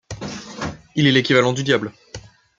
Il est l'équivalent du diable.